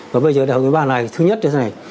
và bây giờ đại hội lần thứ ba này thứ nhất là thế này